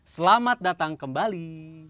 selamat datang kembali